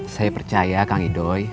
saya percaya kang idoi